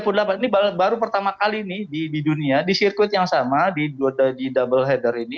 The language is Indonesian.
ini baru pertama kali nih di dunia di sirkuit yang sama di double heather ini